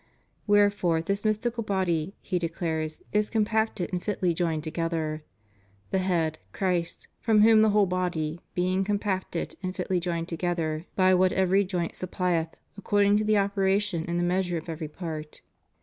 * Wherefore this mystical body, he declares, is compacted and fitly joined together. The head, Christ: from whom the wJiole body, being compacted and fitly joined tagether, by what every joint supplieth, according to the operation in the meas ure of every part.